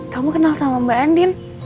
kamu kenal sama mbak andin